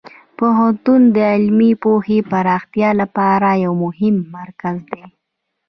پوهنتون د علمي پوهې پراختیا لپاره یو مهم مرکز دی.